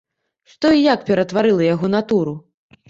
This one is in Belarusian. Што і як ператварыла яго натуру?